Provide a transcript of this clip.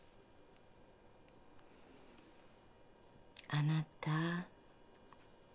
あなた。